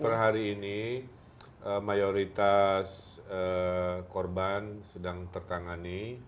per hari ini mayoritas korban sedang tertangani